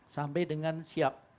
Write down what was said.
sampai dengan siap